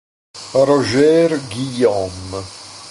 Roger Guillaume